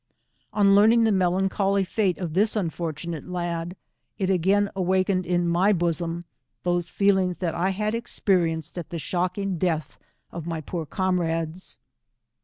On learning the melancholy fate of this unforturate lad, it again awakened in my bosom those feelings that I had experienced at the shocking death of my poor comrades.